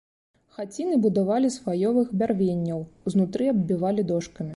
Хаціны будавалі з хваёвых бярвенняў, знутры аббівалі дошкамі.